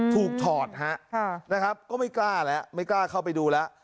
ถอดฮะนะครับก็ไม่กล้าแล้วไม่กล้าเข้าไปดูแล้ว